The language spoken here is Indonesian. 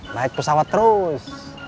naik pesawat terus